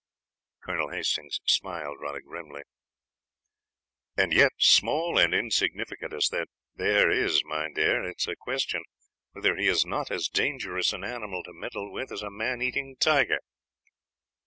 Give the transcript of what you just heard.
Colonel Hastings smiled rather grimly. "And yet, small and insignificant as that bear is, my dear, it is a question whether he is not as dangerous an animal to meddle with as a man eating tiger."